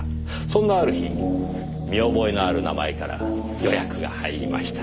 そんなある日見覚えのある名前から予約が入りました。